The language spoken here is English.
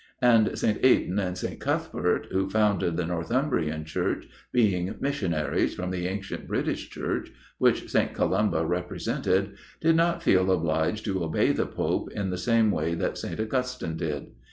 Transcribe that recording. And St. Aidan and St. Cuthbert, who founded the Northumbrian Church, being missionaries from the ancient British Church, which St. Columba represented, did not feel obliged to obey the Pope in the same way that St. Augustine did.